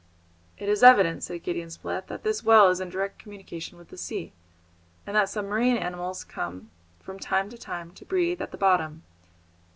"It is evident," said Gideon Spilett, "that this well is in direct communication with the sea, and that some marine animal comes from time to time to breathe at the bottom."